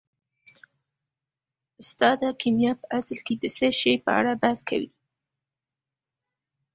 استاده کیمیا په اصل کې د څه شي په اړه بحث کوي